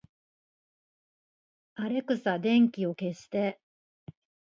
アレクサ、電気を消して